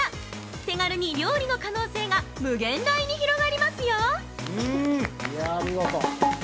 手軽に料理の可能性が無限大に広がりますよ！